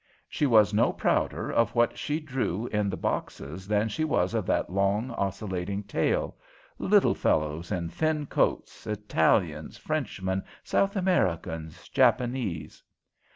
She was no prouder of what she drew in the boxes than she was of that long, oscillating tail; little fellows in thin coats, Italians, Frenchmen, South Americans, Japanese.